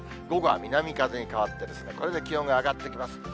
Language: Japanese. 午後は南風に変わって、これで気温が上がってきます。